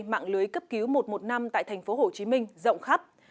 mạng lưới cấp cứu một trăm một mươi năm tại tp hcm rộng khắp